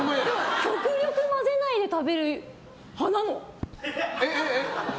極力混ぜないで食べる派なの？